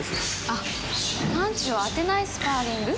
あっパンチを当てないスパーリング。